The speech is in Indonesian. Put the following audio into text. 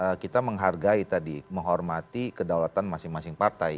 karena kita menghargai tadi menghormati kedaulatan masing masing partai